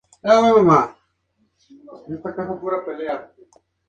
Esta vuelta recibió buenos comentarios en redes sociales.